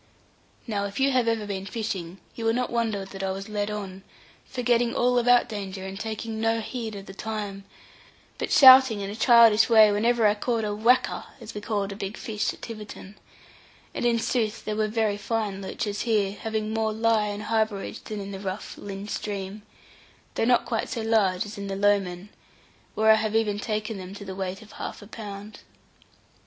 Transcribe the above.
Now, if you have ever been fishing, you will not wonder that I was led on, forgetting all about danger, and taking no heed of the time, but shouting in a childish way whenever I caught a 'whacker' (as we called a big fish at Tiverton); and in sooth there were very fine loaches here, having more lie and harbourage than in the rough Lynn stream, though not quite so large as in the Lowman, where I have even taken them to the weight of half a pound.